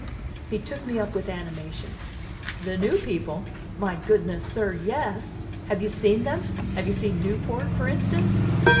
He took me up with animation. "The new people! My goodness, sir, yes! Have you seen them? Have you seen Newport, for instance?"